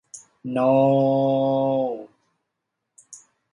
โน้ววววววววววววววววววว